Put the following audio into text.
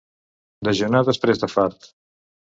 Dejunar després de fart.